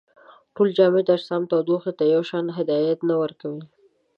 ټول جامد اجسام تودوخې ته یو شان هدایت نه ورکوي.